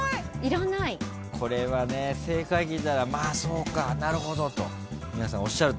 これはね正解聞いたら「まあそうかなるほど」と皆さんおっしゃると思います。